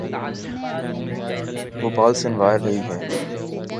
وہ بال سنوار رہی ہے